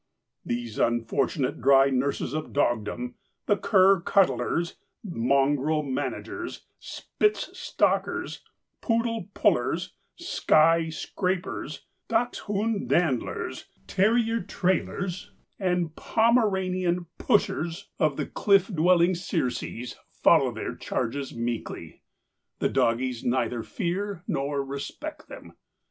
These unfortunate dry nurses of dogdom, the cur cuddlers, mongrel managers, Spitz stalkers, poodle pullers, Skye scrapers, dachshund dandlers, terrier trailers and Pomeranian pushers of the cliff dwelling Circes follow their charges meekly. The doggies neither fear nor respect them.